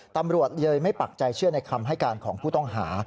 ตำรวจเลยไม่ปักใจเชื่อในคำให้การของผู้ต้องหา